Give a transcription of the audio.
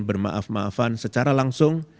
bermaaf maafan secara langsung